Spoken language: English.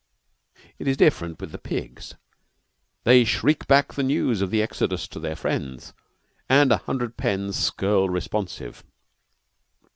It is different with the pigs. They shriek back the news of the exodus to their friends, and a hundred pens skirl responsive.